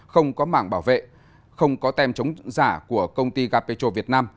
không có mảng bảo vệ không có tem chống giả của công ty gà petro việt nam